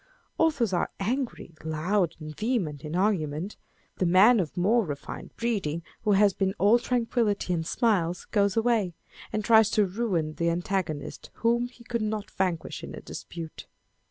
Authors are angry, loud, and vehement in argument : the man of more refined breeding, who has been "all tranquillity and smiles," goes away, and tries to ruin the antagonist whom he could not vanquish in a dispute.